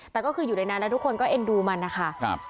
แต่ก็คืออยู่ในนั้นแล้วทุกคนก็เอ็นดูมันนะคะ